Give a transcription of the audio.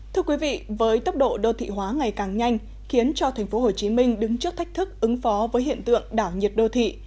thưa quý vị với tốc độ đô thị hóa ngày càng nhanh khiến cho tp hcm đứng trước thách thức ứng phó với hiện tượng đảo nhiệt đô thị